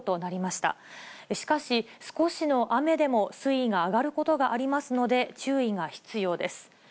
しかし、少しの雨でも水位が上がることがありますので、注意が必要です。